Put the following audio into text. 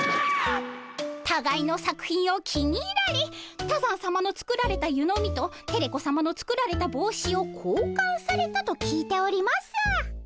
たがいの作品を気に入られ多山さまの作られた湯飲みとテレ子さまの作られた帽子を交換されたと聞いております。